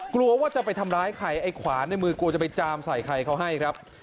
กลัวว่าจะไปทำร้ายใครไอ้ขวานในมือกลัวจะไปจามใส่ใครเขาให้ครับ